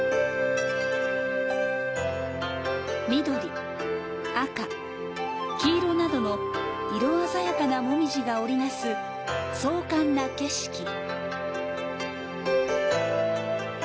緑、赤、黄色などの色鮮やかなモミジが織り成す壮観な景色。